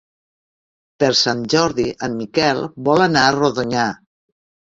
Per Sant Jordi en Miquel vol anar a Rodonyà.